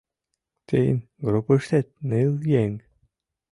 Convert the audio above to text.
— Тыйын группыштет ныл еҥ.